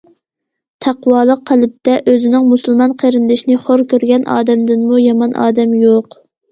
تەقۋالىق قەلبتە، ئۆزىنىڭ مۇسۇلمان قېرىندىشىنى خور كۆرگەن ئادەمدىنمۇ يامان ئادەم يوق.